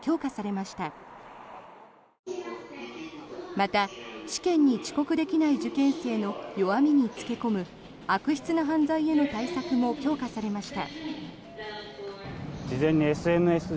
また、試験に遅刻できない受験生の弱みに付け込む悪質な犯罪への対策も強化されました。